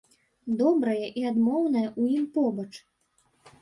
Добрае і адмоўнае ў ім побач.